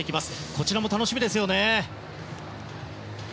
こちらも楽しみですよね。